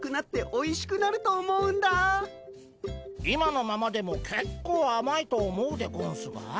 今のままでもけっこうあまいと思うでゴンスが。